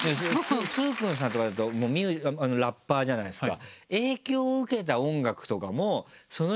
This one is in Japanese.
崇勲さんとかだとラッパーじゃないですか。